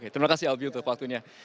terima kasih albi untuk waktunya